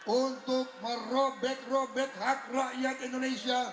untuk merobek robek hak rakyat indonesia